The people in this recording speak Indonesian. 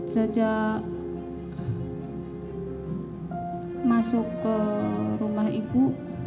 sejak masuk ke rumah ibu